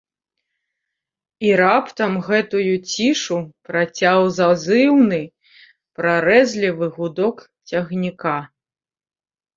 І раптам гэтую цішу працяў зазыўны прарэзлівы гудок цягніка.